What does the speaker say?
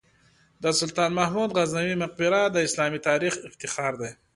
د سلطان محمود غزنوي مقبره د اسلامي تاریخ افتخار دی.